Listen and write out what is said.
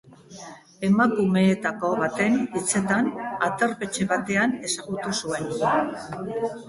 Emakumeetako baten hitzetan, aterpetxe batean ezagutu zuen.